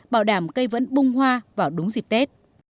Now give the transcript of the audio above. bảo đảm cây vẫn bung hoa vào đúng dịp tết